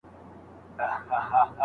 اداري جوړښتونه کمزوري شول.